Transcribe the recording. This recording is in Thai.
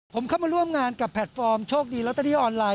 ผมเข้ามาร่วมงานกับแพลตฟอร์มโชคดีลอตเตอรี่ออนไลน